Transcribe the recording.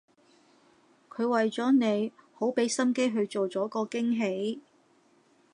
佢為咗你好畀心機去做咗個驚喜